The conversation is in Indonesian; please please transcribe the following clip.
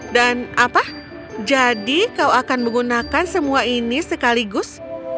dan apa jadi kau akan menggunakan semua ini sekaligus